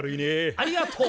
ありがとう。